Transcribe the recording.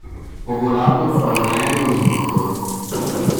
Ho volato su un aereo minuscolo.